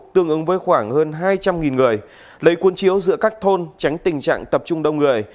tương ứng với khoảng hơn hai trăm linh người lấy cuốn chiếu giữa các thôn tránh tình trạng tập trung đông người